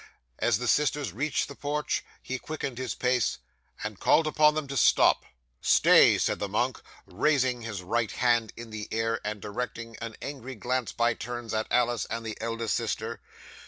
As the sisters reached the porch, he quickened his pace, and called upon them to stop. '"Stay!" said the monk, raising his right hand in the air, and directing an angry glance by turns at Alice and the eldest sister.